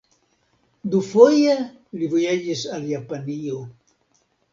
Dufoje li vojaĝis al Japanio.